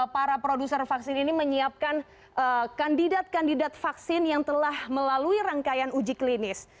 para produser vaksin ini menyiapkan kandidat kandidat vaksin yang telah melalui rangkaian uji klinis